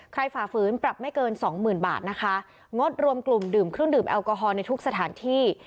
ฝ่าฝืนปรับไม่เกินสองหมื่นบาทนะคะงดรวมกลุ่มดื่มเครื่องดื่มแอลกอฮอล์ในทุกสถานที่